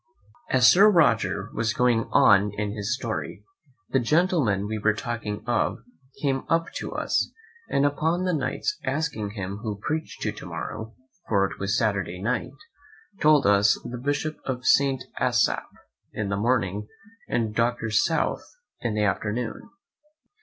As Sir Roger was going on in his story, the gentleman we were talking of came up to us; and upon the Knight's asking him who preached to tomorrow (for it was Saturday night) told us, the Bishop of St. Asaph in the morning, and Dr. South in the afternoon.